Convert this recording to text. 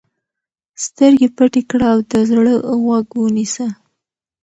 سترګې پټې کړه او د زړه غوږ ونیسه.